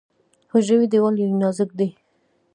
حجروي دیوال یې نازک دی.